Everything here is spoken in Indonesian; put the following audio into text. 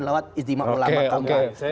lewat izimah ulama ke depan oke oke